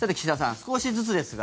少しずつですが。